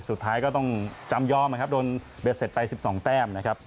สุดท้ายก็ต้องจำยอมนะครับโดนเบ็ดเสร็จไป๑๒แต้มนะครับ